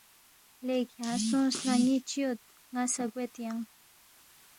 لے کھیانگ سونگس نہ ن٘ی چِہ یود؟ ن٘ا سہ گوید ینگ